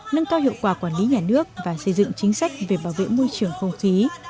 nâng cao hiệu quả quản lý nhà nước và xây dựng chính sách về bảo vệ môi trường không khí